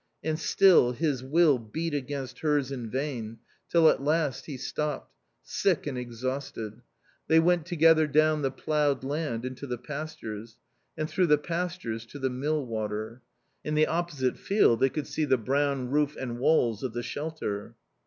And still his will beat against hers in vain, till at last he stopped; sick and exhausted. They went together down the ploughed land into the pastures, and through the pastures to the mill water. In the opposite field they could see the brown roof and walls of the shelter.